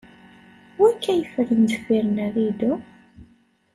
Wakka yeffren deffir n rridu?